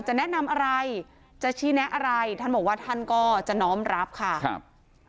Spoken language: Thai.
จะแนะนำอะไรจะชี้แนะอะไรท่านบอกว่าท่านก็จะน้อมรับค่ะครับ